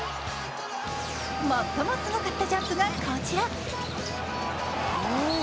最もすごかったジャンプがこちら。